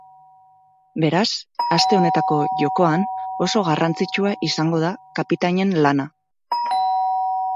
Beraz, aste honetako jokoan oso garrantzitsua izango da kapitainen lana.